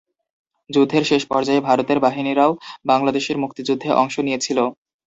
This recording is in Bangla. যুদ্ধের শেষ পর্যায়ে ভারতের বাহিনীরাও বাংলাদেশের মুক্তিযুদ্ধে অংশ নিয়েছিল।